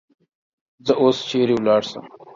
زه اوس چیری ولاړسم؟